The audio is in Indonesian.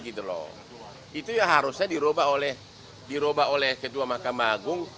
itu yang harusnya dirubah oleh ketua mahkamah agung